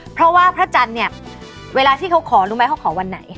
เพราะว่าพระจันทร์เนี่ยเวลาที่เขาขอรู้ไหมเขาขอวันไหน